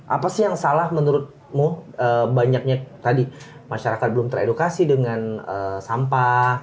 apa sih yang salah menurutmu banyaknya tadi masyarakat belum teredukasi dengan sampah